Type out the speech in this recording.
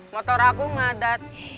motor aku ngadat